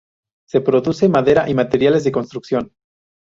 Se produce madera y materiales de construcción.